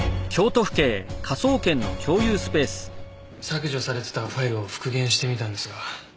削除されてたファイルを復元してみたんですが。